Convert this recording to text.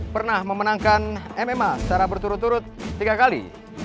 pernah memenangkan mma secara berturut turut tiga kali